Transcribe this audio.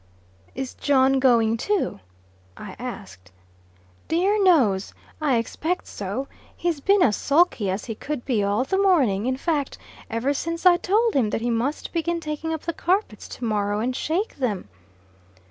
"Is John going too?" I asked. "Dear knows! I expect so. He's been as sulky as he could be all the morning in fact, ever since I told him that he must begin taking up the carpets to morrow and shake them."